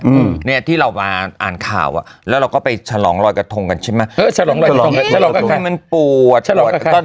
อืมเนี้ยที่เรามาอ่านข่าวอ่ะแล้วเราก็ไปฉลองรอยกระทงกันใช่ไหมเออฉลองลอยหลองฉลองกระทงมันปวดฉลอง